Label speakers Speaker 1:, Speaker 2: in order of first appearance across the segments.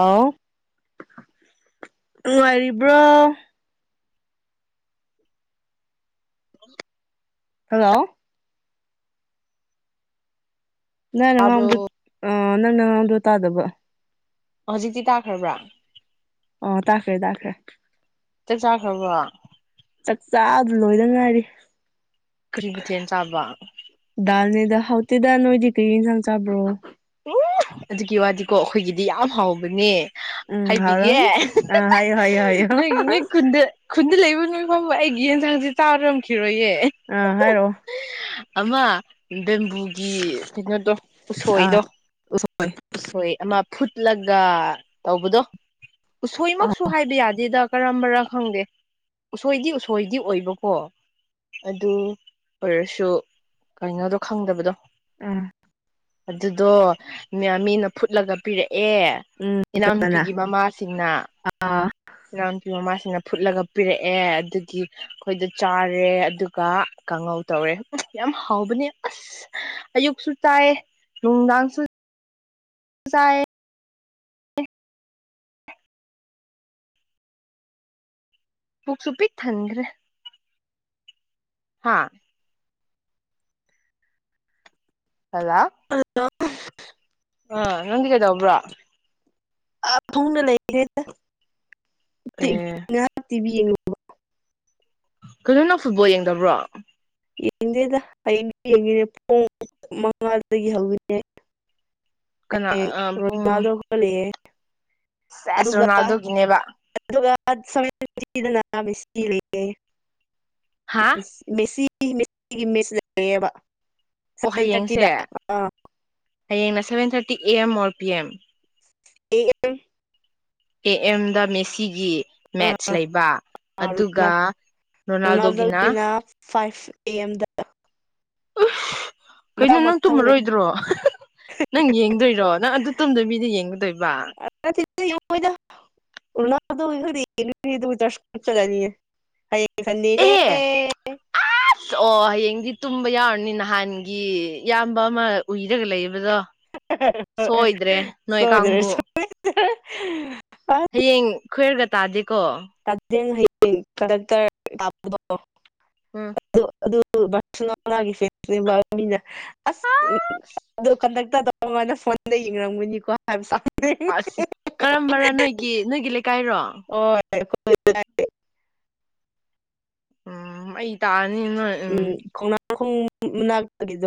Speaker 1: ꯑꯥꯎ ꯅꯨꯡꯉꯥꯏꯔꯤꯕ꯭ꯔꯣ
Speaker 2: [inaudible]
Speaker 1: ꯍꯜꯂꯣ ꯅꯪꯅ ꯉꯥꯡꯗꯣ
Speaker 2: ꯇꯥꯕ꯭ꯔꯣ
Speaker 1: ꯑ ꯅꯪꯅ ꯑꯉꯥꯡꯗꯣ ꯇꯥꯗꯕ
Speaker 2: ꯍꯧꯖꯤꯛꯇꯤ ꯇꯥꯈ꯭ꯔꯕ꯭ꯔꯥ
Speaker 1: ꯑꯣ ꯇꯥꯈ꯭ꯔ ꯇꯥꯈ꯭ꯔ‌ꯦ
Speaker 2: ꯆꯥꯛ ꯆꯥꯈ꯭ꯔꯕ‌ꯣ
Speaker 1: ꯆꯥꯛ ꯆꯥꯥꯛ ꯂꯣꯏꯗ ꯉꯥꯏꯔꯤ
Speaker 2: ꯀꯔꯤ ꯃꯊ‌ꯦꯟ ꯆꯥꯕ
Speaker 1: ꯑꯗ ꯍꯥꯎꯇꯤꯗ ꯅꯣꯏꯗꯤ ꯀꯩ ꯏꯟꯁꯥꯡ ꯆꯥꯕ꯭ꯔꯣ
Speaker 2: ꯎ ꯑꯗꯨꯒꯤ ꯋꯥꯗꯤꯀꯣ ꯑꯩꯈꯣꯏꯒꯤꯗꯤ ꯌꯥꯝ ꯍꯥꯎꯕꯅꯦ
Speaker 1: ꯎꯝ
Speaker 2: ꯍꯥꯏꯕꯤꯒꯦ
Speaker 1: ꯍꯥꯎꯔꯝꯅꯤ ꯑꯥ ꯍꯥꯏꯌꯣ ꯍꯥꯏꯌꯣ ꯍꯥꯏꯌꯣ
Speaker 2: ꯅꯣꯏꯒꯤ ꯅꯣꯏ ꯈꯨꯟꯗꯟ ꯑꯗꯨ ꯂꯩꯕ ꯅꯣꯏ ꯐꯕ ꯑꯩꯒꯤ ꯌꯦꯟꯁꯥꯡꯁꯤꯦ ꯇꯥꯔꯝꯈꯤꯔꯣꯏꯌꯦ
Speaker 1: ꯑꯥ ꯍꯥꯏꯔꯣꯑꯣ
Speaker 2: ꯑꯃ ꯕꯦꯝꯕꯨꯒꯤ ꯀꯩꯅꯣꯗꯣ
Speaker 1: ꯑꯥ
Speaker 2: ꯎꯁꯣꯏꯗꯣ
Speaker 1: ꯎꯁꯣꯏ
Speaker 2: ꯑꯁꯣꯏ ꯑꯃ ꯐꯨꯠꯂꯒ ꯇꯧꯕꯗꯣ
Speaker 1: ꯎꯝ
Speaker 2: ꯁꯣꯏꯃꯛꯁꯨ ꯍꯥꯏꯕ ꯌꯥꯗꯦꯗ ꯀꯔꯝꯕꯔ ꯈꯪꯗꯦ ꯎꯁꯣꯏꯗꯤ ꯎꯁꯣꯏꯗꯤ ꯑꯣꯏꯕꯀꯣ ꯑꯗꯨ ꯑꯣꯏꯔꯁꯨ ꯀꯩꯅꯣꯗꯣ ꯈꯪꯗꯕꯗꯣ
Speaker 1: ꯑꯥ
Speaker 2: ꯑꯗꯨꯗꯣ ꯃꯤꯅ ꯐꯨꯠꯂꯒ ꯄꯤꯔꯛꯑꯦ ꯑꯦ
Speaker 1: ꯎꯝ ꯀꯅꯥ
Speaker 2: ꯏꯅꯥꯎꯅꯨꯄꯤꯒꯤ ꯃꯃꯥꯁꯤꯡꯅ
Speaker 1: ꯑꯥ
Speaker 2: ꯏꯅꯥꯎ ꯅꯨꯨꯄꯤ ꯃꯃꯥꯁꯤꯡꯅ ꯐꯨꯠꯂꯒ ꯄꯤꯔꯛꯑꯦ ꯑꯗꯨꯒꯤ ꯑꯩꯈꯣꯏꯗ ꯆꯥꯔꯦ ꯑꯗꯨꯒ ꯀꯥꯡꯉꯧ ꯇꯧꯔꯦ ꯌꯥꯝ ꯍꯥꯎꯕꯅꯦ ꯑꯁ ꯑꯌꯨꯛꯁꯨ ꯆꯥꯏ ꯅꯨꯡꯗꯥꯡꯁꯨ ꯃꯁꯑ ꯎꯨꯛꯁꯨꯨꯄꯤꯤ ꯊꯗ꯭ꯔꯦ ꯍꯥꯥ ꯍꯗ
Speaker 1: [unintelligible] [unintelligible]
Speaker 2: ꯑ ꯅꯗꯨ ꯀꯩꯗꯕ꯭ꯔꯥ
Speaker 1: ꯑ ꯇꯨꯡꯅ ꯂꯩꯔꯦ
Speaker 2: ꯑꯦ
Speaker 1: ꯇꯤꯕꯤ ꯌꯦꯉ
Speaker 2: ꯀꯩꯅꯣꯅ ꯐꯨꯠꯕꯣꯜ ꯌꯦꯡꯗꯕ꯭ꯔꯣ
Speaker 1: ꯌꯦꯡꯗꯦꯗ ꯍꯌꯦꯩꯅ ꯌꯦꯡꯉꯤꯅꯦ ꯄꯨꯡ ꯃꯉꯥꯗꯒꯤ ꯍꯧꯒꯅꯦ
Speaker 2: ꯀꯅꯥ ꯄꯨꯡ
Speaker 1: ꯔꯣꯖꯥꯗꯣ ꯈꯣ ꯂꯩ
Speaker 2: ꯁꯦꯁ
Speaker 1: ꯑꯗꯨꯒ
Speaker 2: ꯔꯣꯅꯥꯜꯗꯣꯒꯤꯅꯦꯕ
Speaker 1: ꯁꯅꯁꯤ
Speaker 2: ꯍꯥ
Speaker 1: ꯂꯩꯦꯦꯁꯤ ꯑꯩꯒꯤ ꯃꯤꯁ ꯂꯩ ꯂꯩꯕ
Speaker 2: ꯑꯣ ꯍꯌꯦꯡꯁꯦ ꯍꯌꯦꯡꯅ seven thirty A M or P M
Speaker 1: ꯌꯦ ꯀꯝ
Speaker 2: ꯑꯦ ꯑꯦꯝꯗ ꯃꯦꯁꯤꯒꯤ ꯃꯦꯠꯁ ꯂꯩꯕ ꯑꯗꯨꯒ
Speaker 1: ꯑꯦꯝ
Speaker 2: ꯔꯣꯅꯥꯜꯗꯣꯒꯤꯅ
Speaker 1: ꯐꯥꯏꯚ ꯑꯦ ꯑꯦꯝꯗ
Speaker 2: ꯎ ꯀꯩꯅꯣ
Speaker 1: ꯃꯊꯪ
Speaker 2: ꯅꯪ
Speaker 1: ꯃꯊꯪꯅꯦ
Speaker 2: ꯇꯨꯝꯃꯔꯣꯏꯗ꯭ꯔꯣ ꯅꯪ ꯌꯦꯡꯗꯣꯏꯔꯣ ꯅꯪ ꯑꯗꯨ ꯇꯝꯗ ꯃꯤꯗ ꯌꯦꯡꯒꯗꯣꯏꯕ
Speaker 1: ꯆ ꯆꯅꯤ ꯍꯥꯏꯌꯦ ꯁꯅꯤꯅꯦꯦ
Speaker 2: ꯑꯦ ꯑꯁ ꯑꯣ ꯍꯌꯦꯡꯗꯤ ꯇꯨꯝꯕ ꯌꯥꯎꯔꯅꯤ ꯅꯍꯥꯟꯒꯤ ꯏꯌꯥꯝꯕ ꯑꯃ ꯎꯏꯔꯒ ꯂꯩꯌꯦꯕꯗꯣ
Speaker 1: ꯁꯣꯗꯔꯦ
Speaker 2: ꯀꯥꯡꯕꯨ
Speaker 1: ꯁ
Speaker 2: ꯍꯌꯦꯡ ꯈꯣꯏꯔꯒ ꯇꯥꯗꯤ
Speaker 1: ꯀꯗꯛꯇ
Speaker 2: ꯎꯝ
Speaker 1: ꯑꯗꯨꯁꯅ ꯑꯁ ꯑꯗꯨ ꯀꯗꯛꯇ ꯃꯉꯥꯟꯗ ꯐꯣꯟꯗ ꯌꯦꯡꯔꯝꯒꯅꯤꯀꯣ ꯍꯥꯏꯕ ꯁꯥꯕꯅꯦ
Speaker 2: ꯑꯁ ꯀꯔꯝꯕꯔ ꯅꯣꯏꯒꯤ ꯅꯣꯏꯒꯤ ꯂꯩꯀꯥꯏꯔꯣ
Speaker 1: ꯦ
Speaker 2: ꯎꯝ ꯑꯩ ꯇꯥꯛꯑꯅꯤ ꯅꯣꯏ ꯎꯝ
Speaker 1: ꯈꯣꯡ ꯃꯅꯥꯒꯤꯗ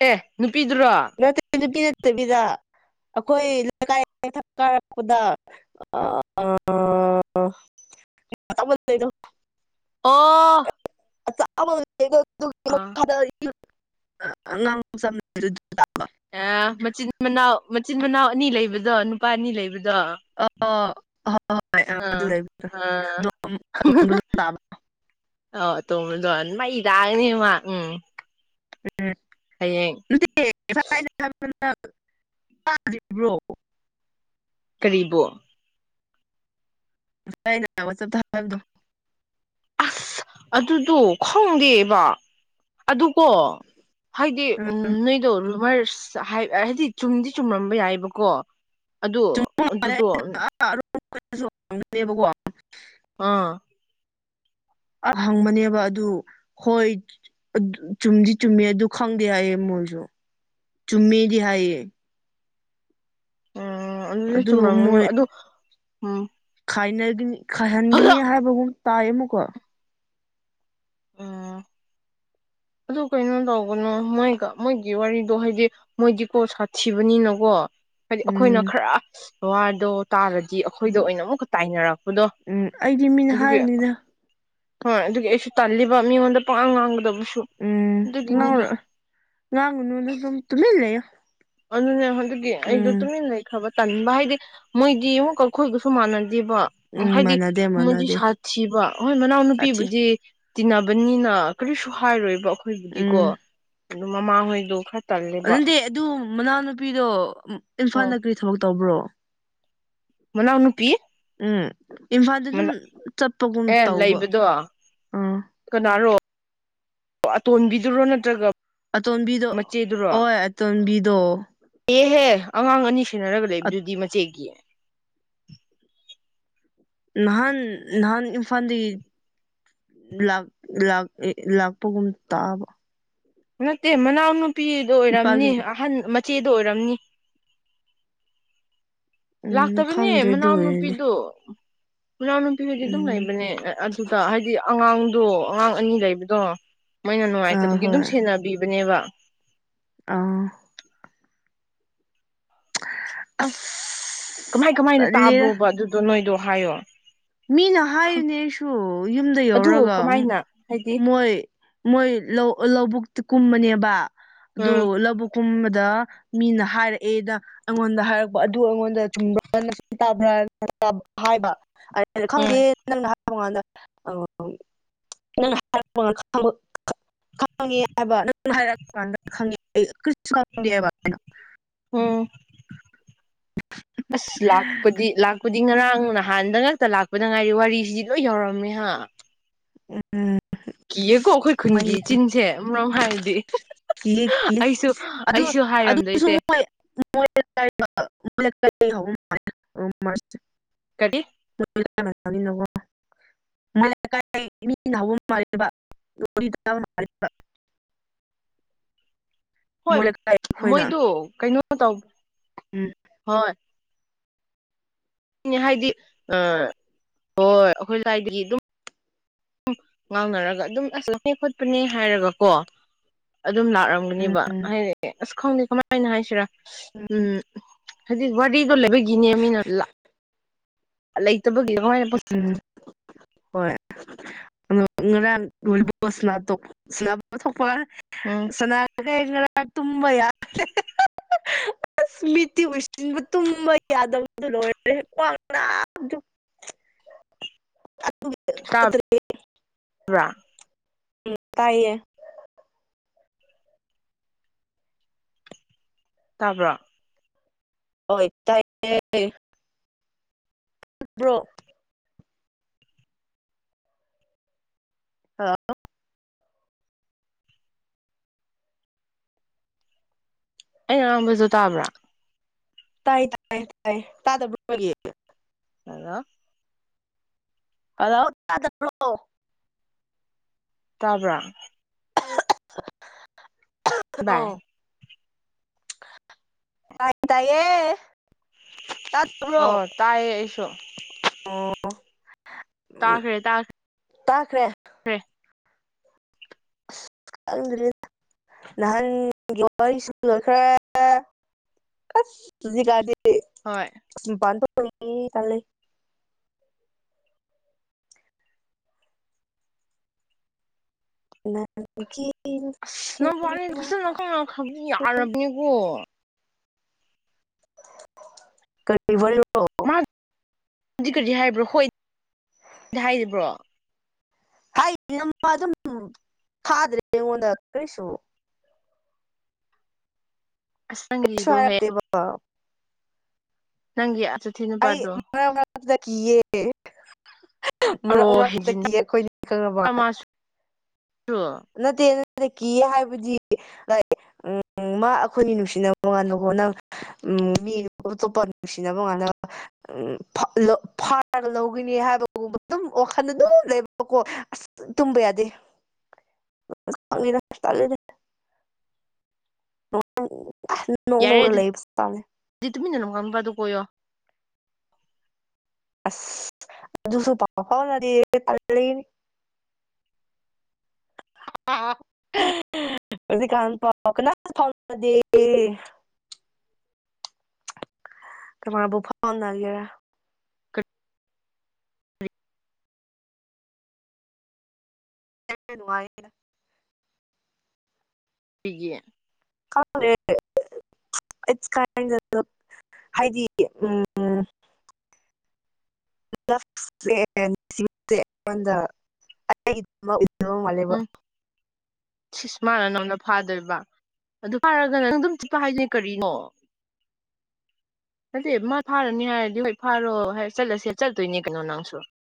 Speaker 2: ꯑꯦ ꯅꯨꯄꯤꯗꯨꯔꯣ
Speaker 1: ꯅꯅꯠꯇꯕꯤꯗꯥ ꯑꯩꯈꯣꯏ ꯂꯩꯀꯥꯏꯊꯛ ꯀꯥꯔꯛꯄꯗ ꯑꯗ
Speaker 2: ꯑꯣ ꯑꯥ
Speaker 1: ꯉ [unintelligible]
Speaker 2: ꯑ ꯃꯆꯤꯟ ꯃꯅꯥꯎ ꯃꯆꯤꯟ ꯃꯅꯥꯎ ꯑꯅꯤ ꯂꯩꯕꯗꯣ ꯅꯨꯄꯥ ꯑꯅꯤ ꯂꯩꯕꯗꯣ
Speaker 1: ꯑ ꯍ ꯍꯣꯏ ꯑꯗꯨ
Speaker 2: ꯑꯥ
Speaker 1: ꯂꯩ
Speaker 2: ꯑꯥ
Speaker 1: ꯑ
Speaker 2: ꯑ ꯇꯣꯕꯗꯣ ꯃꯩ ꯇꯥꯛꯒꯅꯦ ꯃꯥ ꯎꯝ ꯍꯌꯦꯡ
Speaker 1: ꯭ꯔꯤꯕ꯭ꯔꯣ [unintelligible]
Speaker 2: ꯀꯔꯤꯕꯣ
Speaker 1: ꯉꯁꯩꯅ ꯋꯥꯆꯞꯇ ꯍꯥꯏꯕꯗꯣ
Speaker 2: ꯑꯁ ꯑꯗꯨꯗꯣ ꯈꯪꯗꯦꯕ ꯑꯗꯨꯀꯣ ꯍꯥꯏꯗꯤ
Speaker 1: ꯎꯝ
Speaker 2: ꯎ ꯅꯣꯏꯗꯣ ꯔꯨꯃꯔꯁ ꯍꯥꯏꯗꯤ ꯆꯨꯝꯗꯤ ꯆꯨꯝꯔꯝꯕ ꯌꯥꯏꯑꯕꯀꯣ ꯑꯗꯣ ꯑꯗꯨꯗꯣ
Speaker 1: ꯣꯏꯁꯨꯗꯦꯕꯀꯣ [unintelligible]
Speaker 2: ꯑꯥ
Speaker 1: ꯑ ꯍꯪꯕꯅꯦꯕ ꯑꯗꯨ ꯍꯣꯏ ꯆꯨꯝꯗꯤ ꯆꯨꯝꯃꯦ ꯑꯗꯨ ꯈꯪꯗꯦ ꯍꯥꯏꯌꯦ ꯑꯃꯨꯛ ꯖ ꯆꯨꯝꯃꯤ ꯍꯥꯏꯏꯌꯦ
Speaker 2: ꯎꯝ ꯑꯗꯨꯗ
Speaker 1: ꯑꯗꯨ
Speaker 2: ꯆꯨꯝꯔꯝꯒꯅꯦꯕ ꯑꯗꯨ ꯎꯝ
Speaker 1: ꯅꯤ ꯈꯥꯏꯍꯟꯒꯅꯤ ꯍꯥꯏꯕꯒꯨꯝ ꯇꯥꯏꯌꯦ ꯑꯃꯨꯛꯀꯣ
Speaker 2: ꯑꯥ ꯑꯗꯨ ꯀꯩꯅꯣ ꯇꯧꯕꯅꯣ ꯃꯣꯏꯒ ꯃꯣꯏꯒꯤ ꯋꯥꯔꯤꯗꯣ ꯍꯥꯏꯗꯤ ꯃꯣꯏꯗꯤꯀꯣ ꯁꯥꯊꯤꯕꯅꯤꯅꯀꯣ ꯍꯥꯏꯗꯤ ꯑꯩꯈꯣꯏꯅ
Speaker 1: ꯎꯝ
Speaker 2: ꯈꯔ ꯋꯥꯗꯣ ꯇꯥꯔꯗꯤ ꯑꯩꯈꯣꯏꯗ ꯑꯣꯏꯅ ꯑꯃꯨꯛꯀ ꯇꯥꯏꯅꯔꯛꯄꯗꯣ
Speaker 1: ꯎꯝ ꯑꯩꯗꯤ ꯃꯤꯅ
Speaker 2: ꯑꯗꯨꯒꯤ
Speaker 1: ꯍꯥꯏꯕꯅꯤꯗ
Speaker 2: ꯍꯣꯏ ꯑꯗꯨꯒꯤ ꯑꯩꯁꯨ ꯇꯜꯂꯤꯕ ꯃꯤꯉꯣꯟꯗ ꯄꯥꯛ ꯉꯥꯡꯒꯗꯕꯁꯨ
Speaker 1: ꯎꯝ ꯉ
Speaker 2: ꯑꯗꯨꯒꯤꯅꯤꯗ
Speaker 1: ꯂꯥꯡꯒꯅꯅ ꯇꯃꯤꯂꯦ
Speaker 2: ꯑꯗꯨꯅꯦ ꯑꯗꯨꯒꯤ ꯑꯩꯗꯣ ꯇꯨꯃꯤꯟ ꯂꯩꯈ꯭ꯔꯕ ꯇꯟꯕ ꯍꯥꯏꯗꯤ ꯃꯣꯏꯗꯤ ꯑꯃꯨꯛꯀ ꯑꯩꯈꯣꯏꯒꯁꯨ ꯃꯥꯟꯅꯗꯦ ꯕ
Speaker 1: ꯎꯝ
Speaker 2: ꯍꯥꯏꯗꯤ
Speaker 1: ꯃꯥꯟꯅꯗꯦ
Speaker 2: ꯃꯣꯏꯗꯤ
Speaker 1: ꯃꯥꯟꯅꯗꯦ
Speaker 2: ꯁꯥꯊꯤꯕ ꯍꯣꯏ
Speaker 1: ꯁꯥꯊꯤ
Speaker 2: ꯃꯅꯥꯎꯅꯨꯄꯤꯕꯨꯗꯤ ꯇꯤꯟꯅꯕꯅꯤꯅ ꯀꯔꯤꯁꯨ ꯍꯥꯏꯔꯣꯏꯕ ꯑꯩꯈꯣꯏꯕꯨꯗꯤꯀꯣ
Speaker 1: ꯎꯝ
Speaker 2: ꯑꯗꯨ ꯃꯃꯥꯍꯣꯏꯗꯣ ꯈꯔ ꯇꯜꯂꯦꯕ
Speaker 1: ꯑꯗꯨꯗꯤ ꯑꯗꯨ ꯃꯅꯥꯎꯅꯨꯄꯤꯗꯣ ꯏꯝꯐꯥꯜꯗ ꯀꯔꯤ ꯊꯕꯛ ꯇꯧꯕ꯭ꯔꯣ
Speaker 2: ꯃꯅꯥꯎ ꯅꯨ ꯄꯤ
Speaker 1: ꯎꯝ ꯏꯝꯐꯥꯜꯗ ꯑꯗꯨꯝ ꯆꯠꯄꯒꯨꯝ
Speaker 2: ꯑꯦ
Speaker 1: ꯇꯧꯕ
Speaker 2: ꯂꯩꯕꯗꯣ
Speaker 1: ꯑꯥ
Speaker 2: ꯀꯅꯥꯔꯣ ꯑꯇꯣꯟꯕꯤꯗꯔꯣ ꯅꯠꯇ꯭ꯔꯒ
Speaker 1: ꯑꯇꯣꯝꯕꯤꯗꯣ
Speaker 2: ꯃꯆꯦꯗꯨꯔꯣ
Speaker 1: ꯍꯣꯏ ꯑꯇꯣꯝꯕꯤꯗꯣ
Speaker 2: ꯑꯦꯍꯦ ꯑꯉꯥꯡ ꯑꯅꯤ ꯁꯦꯟꯅꯔꯒ ꯂꯩꯕꯗꯨꯗꯤ ꯃꯆꯦꯒꯤ
Speaker 1: ꯅꯍꯥꯟ ꯅꯍꯥꯟ ꯏꯝꯐꯥꯜꯗꯒꯤ ꯂꯥꯛ ꯂꯥꯛ ꯂꯥꯛꯄꯒꯨꯝ ꯇꯥꯕ
Speaker 2: ꯅꯠꯇꯦ ꯃꯅꯥꯎꯅꯨꯄꯤꯗ
Speaker 1: ꯏꯄꯥꯒꯤ
Speaker 2: ꯑꯣꯏꯔꯝꯅꯤ ꯑꯍꯟ ꯆꯦꯗ ꯑꯣꯏꯔꯝꯅꯤ
Speaker 1: ꯎꯝ
Speaker 2: ꯂꯥꯛꯇꯕ
Speaker 1: ꯈꯪꯗ꯭ꯔꯦ ꯑꯗꯨ
Speaker 2: ꯃꯅꯅꯥꯎꯅ
Speaker 1: ꯑꯣꯏꯔꯗꯤ
Speaker 2: ꯄꯤꯗꯣ ꯃꯅꯥꯎ ꯅꯨꯄꯤꯒꯗꯤ ꯑꯗꯨꯝ
Speaker 1: ꯎꯝ
Speaker 2: ꯂꯩꯕꯅꯦ ꯑꯗꯨꯗ ꯍꯥꯏꯗꯤ ꯑꯉꯥꯡꯗꯣ ꯑꯉꯥꯡ ꯑꯅꯤ ꯂꯩꯕꯗꯣ ꯃꯣꯏꯅ
Speaker 1: ꯑꯥ
Speaker 2: ꯅꯨꯡꯉꯥꯏꯇꯕꯒꯤ ꯑꯗꯨꯝ
Speaker 1: ꯍꯣꯏ
Speaker 2: ꯁꯦꯟꯅꯕꯤꯕꯅꯦꯕ
Speaker 1: ꯑꯥ
Speaker 2: ꯑꯁ ꯀꯃꯥꯏ
Speaker 1: ꯑꯁ
Speaker 2: ꯀꯃꯥꯏꯅ
Speaker 1: ꯇꯜꯂꯤꯗ
Speaker 2: ꯇꯥꯕ꯭ꯔꯣꯕ ꯑꯗꯨꯗꯣ ꯅꯣꯏꯗꯣ ꯍꯥꯏꯌꯣ
Speaker 1: ꯃꯤꯅ ꯍꯥꯏꯌꯨꯅꯦ ꯑꯩꯁꯨ ꯌꯨꯝꯗ
Speaker 2: ꯑꯗꯨ
Speaker 1: ꯌꯧꯔꯒ ꯑꯃꯨꯛ
Speaker 2: ꯀꯃꯥꯏꯅ ꯍꯥꯏꯗꯤ
Speaker 1: ꯃꯣꯏ ꯃꯣꯏ ꯂꯧꯕꯨꯛꯇꯤ ꯀꯨꯝꯕꯅꯦ ꯑꯗꯨ
Speaker 2: ꯎꯝ
Speaker 1: ꯂꯧꯕꯨ ꯀꯨꯝ ꯑ ꯗ ꯃꯤꯅ ꯍꯥꯏꯔꯛꯑꯦꯗ ꯑꯩꯉꯣꯟꯗ ꯍꯥꯏꯔꯛꯄ ꯑꯗꯨ ꯑꯩꯉꯣꯟꯗ ꯆꯨꯝꯕ ꯇꯕ꯭ꯔ ꯍꯥꯏꯕ
Speaker 2: ꯎꯝ
Speaker 1: ꯈꯪꯗꯦ ꯅꯪꯅ ꯉ ꯅꯪ ꯈꯪꯉꯦ ꯍꯥꯏꯕ ꯅꯪ ꯍꯥꯏꯔꯛꯄ ꯀꯥꯟꯗ ꯈꯪꯉꯦ ꯑꯩ ꯀꯔꯤꯁꯨ ꯈꯪꯗꯦꯕꯩꯅ
Speaker 2: ꯑꯣ
Speaker 1: [inaudible]
Speaker 2: ꯑꯁ ꯂꯥꯛꯄꯗꯤ ꯂꯥꯛꯄꯗꯤ ꯉꯔꯥꯡ ꯅꯍꯥꯟꯗ ꯉꯛꯇ ꯂꯥꯛꯄꯗ ꯉꯥꯏꯔꯤ ꯋꯥꯔꯤꯁꯤꯗꯤ ꯂꯣꯏ ꯌꯥꯧꯔꯝꯃꯦꯍ ꯑ
Speaker 1: ꯎꯝ
Speaker 2: ꯀꯤꯌꯦꯀꯣ ꯑꯩꯈꯣꯏ
Speaker 1: ꯃꯩ
Speaker 2: ꯈꯨꯟꯒꯤ ꯆꯤꯟꯁꯦ ꯃꯔꯝ ꯍꯥꯏꯔꯗꯤ
Speaker 1: ꯀ ꯀ
Speaker 2: ꯑꯩꯁꯨ
Speaker 1: ꯑꯗꯨ
Speaker 2: ꯑꯩꯁꯨ
Speaker 1: ꯑꯗꯨ [inaudible]
Speaker 2: ꯍꯥꯏꯔꯝꯗꯣꯏꯁꯦ ꯀꯔꯤ
Speaker 1: ꯅꯤꯣ ꯃ ꯀ ꯔꯤꯕ
Speaker 2: ꯍꯣꯏ ꯃꯣꯏꯗꯨ ꯀꯩꯅꯣ ꯇꯧꯕ
Speaker 1: ꯎꯝ
Speaker 2: ꯍꯣꯏ ꯅꯦ ꯍꯥꯏꯗꯤ ꯍꯣꯏ ꯑꯩꯈꯣꯏ ꯂꯥꯏꯗꯒꯤ ꯑꯗꯨꯝ ꯉꯥꯡꯅꯔꯒ ꯑꯗꯨꯝ ꯑꯁ ꯆꯦ ꯈꯣꯠꯄꯅꯦ ꯍꯥꯏꯔꯒꯀꯣ ꯑꯗꯨꯝ
Speaker 1: ꯎꯝ
Speaker 2: ꯂꯥꯛꯔꯝꯒꯅꯦꯕ ꯍꯥꯏꯗꯤ ꯑꯁ ꯈꯪꯗꯦ ꯀꯃꯥꯏꯅ ꯍꯥꯏꯁꯤꯔꯥ
Speaker 1: ꯎ
Speaker 2: ꯎꯝ ꯍꯥꯏꯗꯤ ꯋꯥꯔꯤꯗꯣ ꯂꯩꯕꯒꯤꯅꯦ ꯃꯤꯅ ꯂ ꯂꯩꯇꯕꯒꯉꯣꯏꯅ
Speaker 1: ꯎꯝ ꯍꯣꯏ ꯉꯔꯥ ꯊꯄ
Speaker 2: ꯎꯝ
Speaker 1: ꯁꯅꯥꯇ ꯀ ꯏ ꯇꯨꯝꯕ ꯌꯥ ꯑꯁ ꯃꯤꯠꯇꯤ ꯎꯁꯤꯟꯕ ꯇꯨꯝꯕ ꯌꯥꯗꯕꯗꯨ ꯂꯣꯏꯔꯦ꯭ꯋꯥꯡꯅꯥ [unintelligible]
Speaker 2: ꯋꯥ
Speaker 1: ꯎꯝ ꯇꯥꯏꯌꯦ
Speaker 2: ꯇꯥꯕ꯭ꯔꯣ
Speaker 1: ꯍꯣꯏ ꯇꯥꯏ ꯭ꯔꯣ ꯑ
Speaker 2: ꯑꯩ ꯑꯥꯡꯕꯁꯨ ꯇꯥꯕ꯭ꯔꯥ
Speaker 1: ꯇꯥꯏ ꯇꯥꯏ ꯇꯥꯏ ꯇꯥꯗꯕ꯭ꯔ ꯑꯣꯏ
Speaker 2: ꯑꯂꯣ
Speaker 1: ꯍꯥꯎ꯭ꯔꯣ
Speaker 2: ꯇꯥꯕ꯭ꯔ ꯚꯥꯏ
Speaker 1: ꯑ ꯇ ꯇꯥꯏꯌꯦ
Speaker 2: ꯑ
Speaker 1: ꯇꯥꯗꯕ꯭ꯔꯣ
Speaker 2: ꯇꯥꯏꯌꯦ ꯑꯦꯁꯣ
Speaker 1: ꯎꯝ
Speaker 2: ꯇꯥꯈ꯭ꯔꯦ
Speaker 1: ꯇꯥꯈ꯭ꯔꯦ
Speaker 2: ꯇꯥꯈ꯭ꯔꯦꯈ꯭ꯔꯦ
Speaker 1: ꯀ ꯅꯍꯥꯟꯒꯤ ꯋꯥꯔꯤꯁꯨ ꯂꯣꯏꯈ꯭ꯔꯦ ꯑꯁꯖꯤ
Speaker 2: ꯍꯣꯏ
Speaker 1: ꯀꯂ [unintelligible]
Speaker 2: ꯑꯁ ꯅ ꯋꯥꯠꯂꯤ
Speaker 1: ꯅꯨꯡꯁꯤꯕ
Speaker 2: ꯐꯖꯅꯈꯪꯅꯈ꯭ꯔꯕꯗꯤ ꯌꯥꯔꯕꯅꯤꯀꯣ
Speaker 1: ꯀꯔꯤ ꯋꯥ
Speaker 2: ꯍꯥꯏ꯭ꯔꯣ ꯍꯣꯏ ꯍꯥꯏꯔꯤꯕ꯭ꯔꯣ
Speaker 1: ꯍꯥꯏ ꯅꯃ ꯑꯗꯨꯝ ꯊꯥꯗ꯭ꯔꯦ ꯑꯩꯉꯣꯟꯗ ꯀꯩꯁꯨ [unintelligible]
Speaker 2: ꯑꯁ
Speaker 1: ꯁ
Speaker 2: ꯅꯪꯒꯤꯗꯣ
Speaker 1: ꯍꯥꯏꯕ
Speaker 2: ꯅꯪꯌꯥ
Speaker 1: ꯑꯩ ꯃꯅ ꯃꯗ ꯀ ꯌꯦ ꯃꯔꯛ
Speaker 2: ꯑꯔꯣ
Speaker 1: ꯃꯔꯛꯇꯒꯤ
Speaker 2: ꯍꯦꯟꯖꯤꯟꯅ
Speaker 1: ꯑꯩꯈꯣꯏꯅꯤ ꯈꯪꯕ
Speaker 2: ꯃꯥꯁꯨ
Speaker 1: ꯅꯠꯇꯦ ꯗ ꯀꯤ ꯍꯥꯏꯕꯗꯤ ꯂ ꯎ ꯃꯥ ꯑꯩꯈꯣꯏꯒꯤ ꯅꯨꯡꯁꯤꯅꯕ ꯉꯟꯅꯅꯕ ꯍꯣꯠꯅꯕ ꯎꯝ ꯃꯤ ꯇꯣꯄ ꯅꯨꯡꯁꯤꯅꯕꯣꯉꯅ ꯎ ꯐꯥꯔꯒ ꯂꯧꯒꯅꯤ ꯍꯥꯏꯕꯒꯨꯝꯕ ꯑꯗꯨꯝ ꯋꯥꯈꯜ ꯑꯗꯨꯝ ꯂꯩꯕꯀꯣ ꯑꯁ ꯇꯨꯝꯕ ꯌꯥꯗꯦ ꯅꯧꯔ ꯂꯩꯕꯇꯥꯦ
Speaker 2: ꯇꯃꯤ ꯅꯅ ꯀ ꯑꯃ ꯀ ꯑꯗꯨꯣ ꯀꯔ
Speaker 1: ꯑꯁ ꯑꯗꯨ ꯑꯗꯨꯁꯨ ꯄꯥꯎꯗꯤ ꯇ ꯑꯥ ꯍꯧꯖꯤ ꯀꯥꯟ ꯄꯥꯎ ꯀꯅꯥ ꯐꯥꯎ ꯀꯔ ꯕꯨꯐꯥꯒꯦꯔ ꯌꯦꯅ
Speaker 2: ꯁꯤꯒ
Speaker 1: ꯀ ꯏ ꯀꯥꯏ ꯍꯥꯏꯩꯗꯤ ꯎꯝ ꯦ ꯃꯣꯡ ꯃꯂꯤꯕ
Speaker 2: ꯁꯁꯃꯥꯅ ꯅꯪꯅ ꯐꯥꯗꯣꯏꯔꯤꯕ ꯑꯗꯨ ꯐꯔꯒꯅ ꯅꯪ ꯑꯗꯨꯝ ꯆꯤꯠꯄ ꯍꯥꯏꯁꯅꯦ ꯀꯔꯤꯅꯣ ꯑꯗꯨꯗꯤ ꯃꯥ ꯐꯥꯔꯅꯤ ꯍꯥꯏꯔꯗꯤ ꯍꯣꯏ ꯐꯥꯔꯣ ꯆꯠꯂꯁꯦ ꯆꯠꯇꯣꯏꯅꯦ ꯀꯩꯅꯣ ꯅꯪꯁꯨ
Speaker 1: ꯑ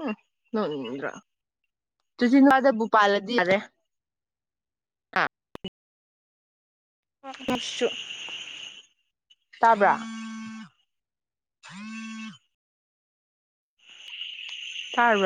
Speaker 2: ꯎ ꯅ꯭ꯔ ꯇ ꯂꯗ ꯚꯣꯄꯜꯗꯤ ꯌꯥꯔꯦ
Speaker 1: ꯑ
Speaker 2: ꯁ ꯇꯥꯕ꯭ꯔꯥ ꯑꯝ ꯇꯥꯔꯕ